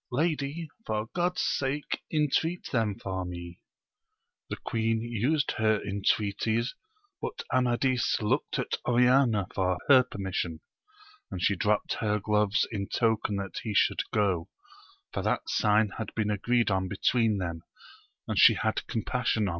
Lady, for God's sake intreat them for me ! The queen used her intreaties, but Amadis looked at Oriana for her permission ; and she dropt her gloves in token that he should go, for that sign had been agreed on between them, and she hsA (iOTCL ^^wci otv.